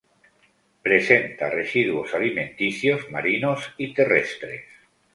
Presenta residuos alimenticios marinos y terrestres.